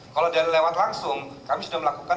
kalau dari lewat langsung kami sudah melakukan